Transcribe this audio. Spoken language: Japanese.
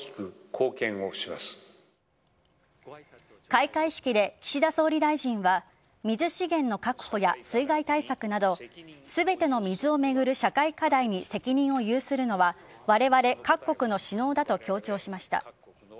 開会式で岸田総理大臣は水資源の確保や水害対策など全ての水を巡る社会課題に責任を有するのはわれわれ各国の首脳だと強調しました。